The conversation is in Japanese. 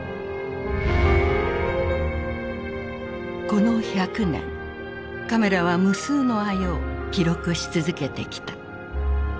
この１００年カメラは無数の愛を記録し続けてきた。